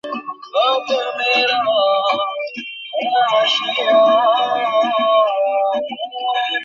তাই চুলের ওপর দিয়ে এসবের ধকল গেলে নিতে হবে বাড়তি যত্ন।